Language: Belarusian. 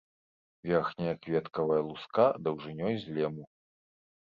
Верхняя кветкавая луска даўжынёй з лему.